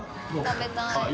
食べたい。